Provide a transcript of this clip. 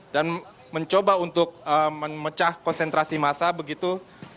dan mencoba untuk memecah konsentrasi masa begitu